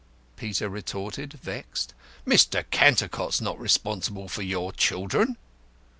Peter retorted, vexed. "Mr. Cantercot's not responsible for your children."